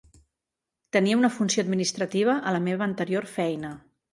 Tenia una funció administrativa a la meva anterior feina.